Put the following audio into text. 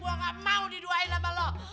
gua gak mau diduain sama lo